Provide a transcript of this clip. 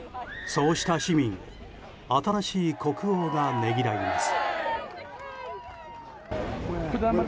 そうした市民を新しい国王がねぎらいます。